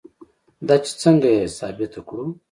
دا چې څنګه یې ثابته کړو.